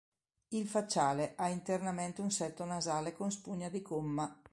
Il facciale ha internamente un setto nasale con spugna di gomma.